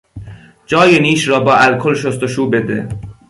جای نیش را با الکل شستشو بده.